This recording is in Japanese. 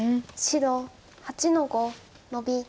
白８の五ノビ。